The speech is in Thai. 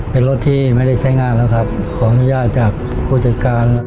เป็นรถที่ไม่ได้ใช้งานแล้วครับขออนุญาตจากผู้จัดการ